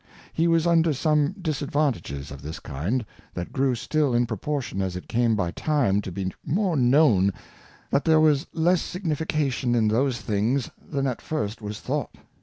He was under some Disadvantages of this kind, that grew still in proportion as it came by Time to be more known that there was less Signification in those Things than at first was thought.